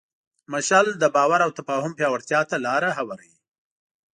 مشعل د باور او تفاهم پیاوړتیا ته لاره هواروي.